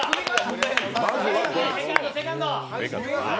セカンド、セカンド！